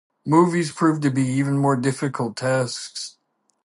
Movies prove to be even more difficult tasks.